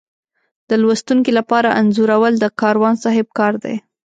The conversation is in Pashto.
د لوستونکي لپاره انځورول د کاروان صاحب کار دی.